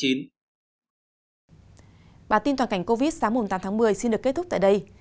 bản tin toàn cảnh covid một mươi chín sáng tám tháng một mươi xin được kết thúc tại đây